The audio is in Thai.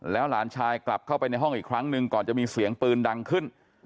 หลานชายกลับเข้าไปในห้องอีกครั้งหนึ่งก่อนจะมีเสียงปืนดังขึ้น